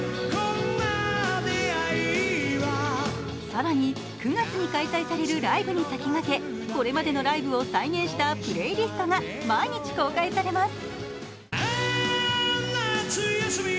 更に９月に開催されるライブに先駆けこれまでのライブを再現したプレイリストが毎日公開されます。